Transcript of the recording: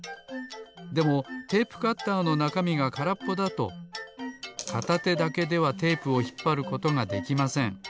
でもテープカッターのなかみがからっぽだとかたてだけではテープをひっぱることができません。